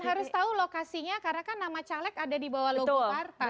harus tahu lokasinya karena kan nama caleg ada di bawah logo partai